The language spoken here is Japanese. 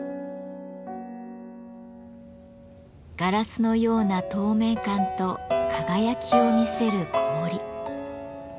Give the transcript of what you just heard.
ガラスのような透明感と輝きを見せる氷。